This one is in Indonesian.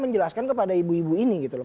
menjelaskan kepada ibu ibu ini gitu loh